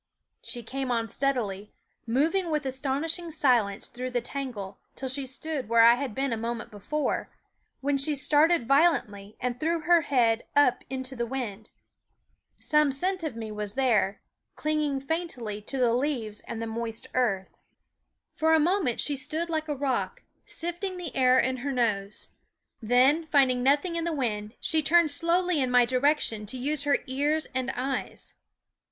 She came on steadily, moving with aston ishing silence through the tangle, till she stood where I had been a moment before, when she started violently and threw her head up into the wind. Some scent of me was there, clinging faintly to the leaves and ^uenaw/s 266 9 SCHOOL OF the moist earth. For a moment she stood like a rock, sifting the air in her nose ; then, finding nothing in the wind, she turned slowly in my direction to use her ears and eyes.